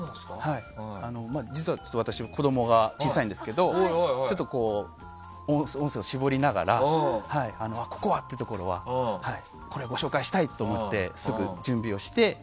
実は私、子供が小さいんですが音声を絞りながらここはってところはこれ、ご紹介したいと思ってすぐ準備をして。